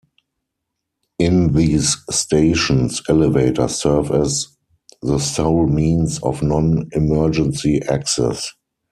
In these stations, elevators serve as the sole means of non-emergency access.